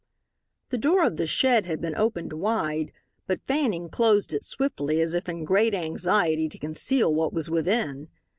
The door of the shed had been opened wide, but Fanning closed it swiftly as if in great anxiety to conceal what was within.